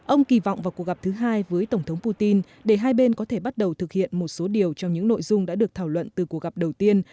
ông kỳ vọng vào cuộc gặp thứ hai với tổng thống putin để hai bên có thể bắt đầu thực hiện một số điều trong những nội dung đã được thảo luận từ cuộc gặp đầu tiên